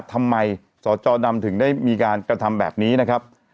สจดำถึงได้มีการกระทำแบบนี้นะครับ